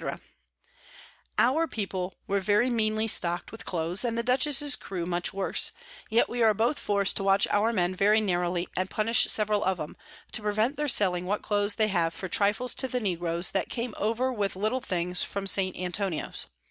_ Our People were very meanly stock'd with Clothes, and the Dutchess's Crew much worse; yet we are both forc'd to watch our Men very narrowly, and punish several of 'em, to prevent their selling what Clothes they have for Trifles to the Negroes, that came over with little things from St. Antonio's.